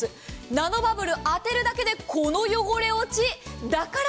ナノバブルを当てるだけで、この汚れ落ち。